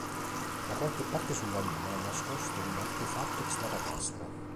Da qualche parte sulla Luna è nascosto un artefatto extraterrestre.